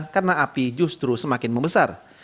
karena api justru semakin membesar